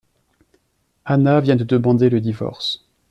Anna vient de demander le divorce.